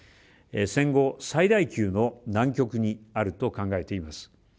戦後最大級の難局にあると考えています。